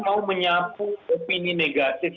mau menyapu opini negatif